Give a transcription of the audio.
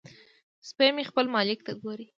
سپی مې خپل مالک ته ګوري.